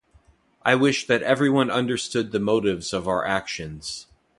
I wish that everyone understood the motives of our actions.